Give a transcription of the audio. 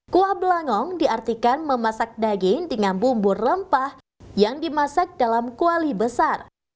kuah belangong diartikan memasak daging dengan bumbu rempah yang dimasak dalam kuali besar